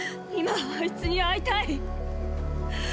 今あいつに会いたい。